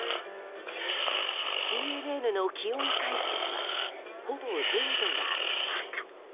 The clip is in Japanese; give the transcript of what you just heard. ＣＮＮの気温解説はほぼ全部が赤。